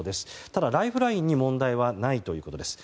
ただ、ライフラインに問題はないということです。